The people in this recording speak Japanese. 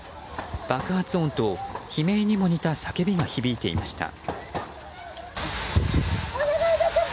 爆発音と悲鳴にも似た叫びが響いていました。